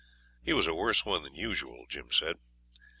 He was a worse one than usual, Jim said.